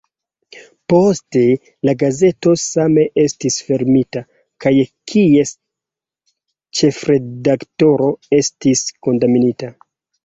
Poste la gazeto same estis fermita, kaj kies ĉefredaktoro estis kondamnita.